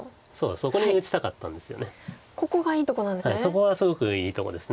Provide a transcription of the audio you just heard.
そこがすごくいいとこです。